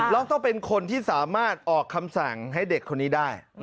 ต้องเป็นคนที่สามารถออกคำสั่งให้เด็กคนนี้ได้